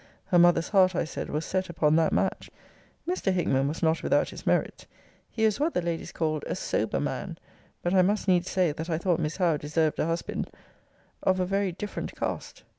Her mother's heart, I said, was set upon that match: Mr. Hickman was not without his merits: he was what the ladies called a SOBER man: but I must needs say, that I thought Miss Howe deserved a husband of a very different cast!